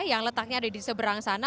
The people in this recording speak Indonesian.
yang letaknya ada di seberang sana